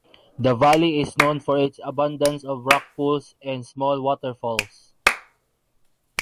The valley is known for its abundance of rock pools and small waterfalls.